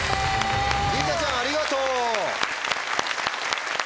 りさちゃんありがとう！